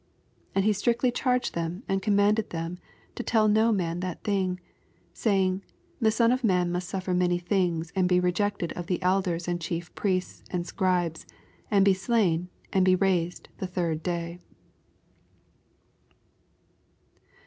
21 And he straitly charged them, and commanded ik^ to till no man that thin^ ; 22 Saying, The Son of man must saffer many things, and be rejected of the elders and Chief Priests and Scribes, and be slain, and be nused the third day.